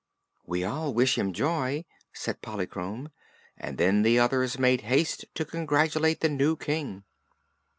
"We all wish him joy," said Polychrome; and then the others made haste to congratulate the new King.